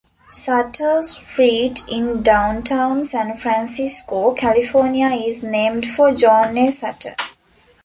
Sutter Street in downtown San Francisco, California is named for John A. Sutter.